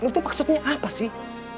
lo tuh maksudnya apa sih